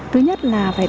thứ nhất là phải